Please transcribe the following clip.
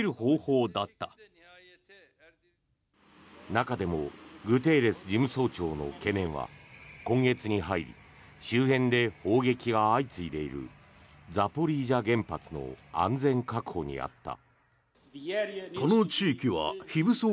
中でもグテーレス事務総長の懸念は今月に入り周辺で砲撃が相次いでいるザポリージャ原発の安全確保にあった。